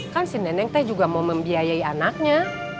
kan si nenek teh juga mau membiayai anaknya